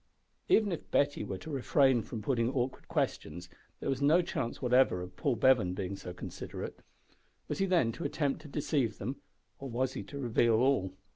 Even if Betty were to refrain from putting awkward questions, there was no chance whatever of Paul Bevan being so considerate. Was he then to attempt to deceive them, or was he to reveal all?